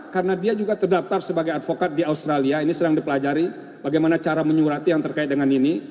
karena dia juga terdaftar sebagai advokat di australia ini sedang dipelajari bagaimana cara menyurati yang terkait dengan ini